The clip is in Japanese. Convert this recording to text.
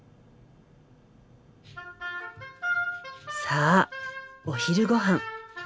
さあお昼ごはん。